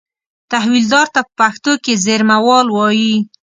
تحویلدار ته په پښتو کې زېرمهوال وایي.